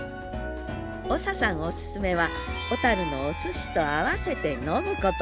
長さんおすすめは小のおすしと合わせて飲むこと。